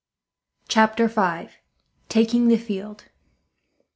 Chapter 5: Taking The Field.